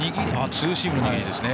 ツーシームの握りですね。